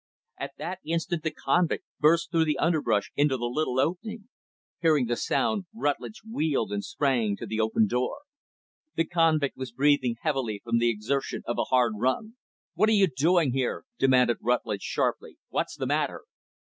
At that instant, the convict burst through the underbrush into the little opening. Hearing the sound, Rutlidge wheeled and sprang to the open door. The convict was breathing heavily from the exertion of a hard run. "What are you doing here?" demanded Rutlidge, sharply. "What's the matter?"